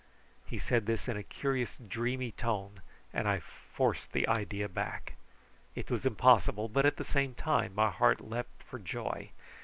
He said this in a curious dreamy tone, and I forced the idea back. It was impossible, but at the same time my heart leaped for joy.